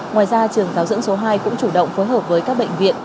ngoài ra trường giáo dưỡng số hai cũng chủ động phối hợp với các bệnh viện